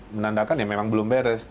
menandakan ya memang belum beres